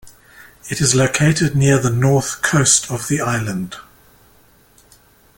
It is located near the north coast of the island.